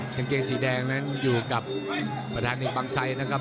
กางเกงสีแดงนั้นอยู่กับประธานีบังไซด์นะครับ